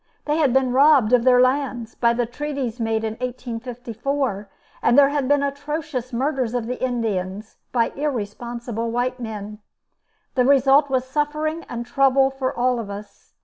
They had been robbed of their lands, by the treaties made in 1854, and there had been atrocious murders of Indians by irresponsible white men. The result was suffering and trouble for all of us.